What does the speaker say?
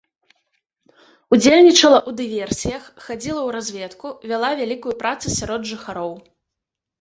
Удзельнічала ў дыверсіях, хадзіла ў разведку, вяла вялікую працу сярод жыхароў.